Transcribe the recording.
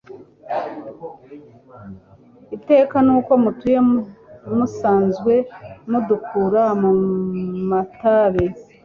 Iteka n'uko mutuye Musanzwe mudukura mu matabe,